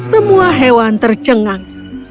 semua hewan tercengang